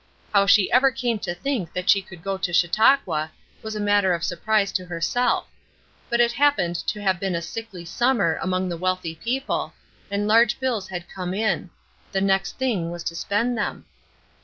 How she ever came to think that she could go to Chautauqua was a matter of surprise to herself; but it happened to have been a sickly summer among the wealthy people, and large bills had come in the next thing was to spend them.